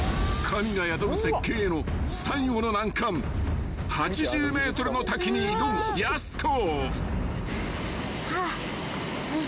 ［神が宿る絶景への最後の難関８０ｍの滝に挑むやす子］